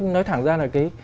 nói thẳng ra là cái